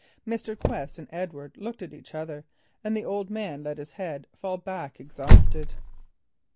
Mr. Quest and Edward looked at each other, and the old man let his head fall back exhausted.